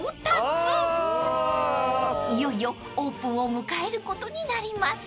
［いよいよオープンを迎えることになります］